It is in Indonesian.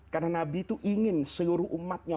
karena nabi itu ingin seluruh umatnya